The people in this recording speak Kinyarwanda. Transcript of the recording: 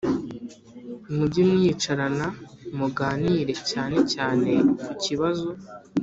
mujye mwicarana muganire cyane cyane ku kibazo